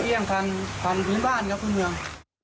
เขาเอี่ยงทางพื้นบ้านครับคุณเมือง